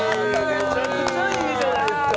むちゃくちゃいいじゃないですか